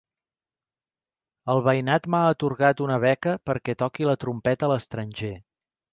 El veïnat m'ha atorgat una beca perquè toqui la trompeta a l'estranger.